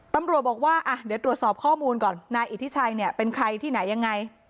ตำรวจบอกว่าอ่ะเดี๋ยวตรวจสอบข้อมูลก่อนนายอิทธิชัยเนี่ยเป็นใครที่ไหนยังไง